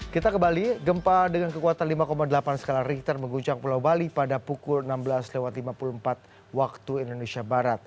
kita ke bali gempa dengan kekuatan lima delapan skala richter mengguncang pulau bali pada pukul enam belas lima puluh empat waktu indonesia barat